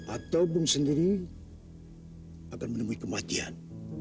atau bung sendiri akan menemui kematian